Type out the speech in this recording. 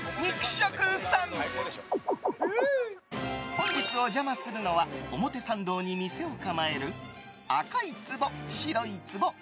本日お邪魔するのは表参道に店を構える赤い壺／白いつぼ。